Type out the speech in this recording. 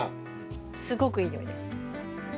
すごくいい匂いです。